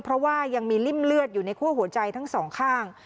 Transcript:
เพราะว่ายังมีริ่มเลือดอยู่ในคั่วหัวใจทั้งสองข้าง